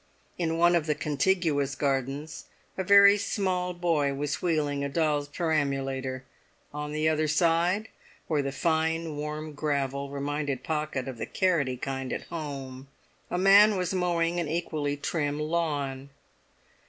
In one of the contiguous gardens a very small boy was wheeling a doll's perambulator; on the other side, where the fine, warm gravel reminded Pocket of the carroty kind at home, a man was mowing an equally trim lawn.